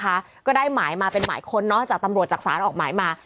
ก็ได้หมายมาเป็นหมายค้นเนอะจากตำรวจจากศาลออกหมายมา